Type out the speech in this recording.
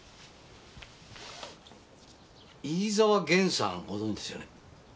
飯沢元さんご存じですよね。